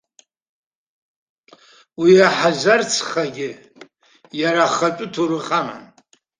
Уи аҳазар-цхагьы иара ахатә ҭоурых аман.